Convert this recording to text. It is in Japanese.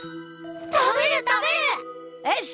食べる食べる！よし！